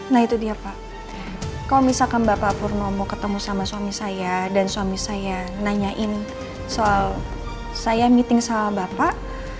nah itu dia pak kalau misalkan bapak purnomo ketemu sama suami saya dan suami saya nanyain soal saya meeting sama bapak